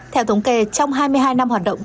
theo thống kê trong hai mươi hai năm hoạt động